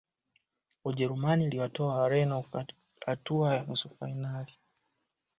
ujerumani iliwatoa wareno kwenye hatua ya nusu fainali